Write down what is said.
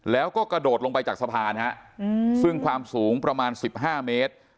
แล้วก็กระโดดลงไปจากสะพานฮะซึ่งความสูงประมาณ๑๕เมตร